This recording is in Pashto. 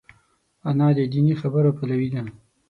انا د دیني خبرو پلوي ده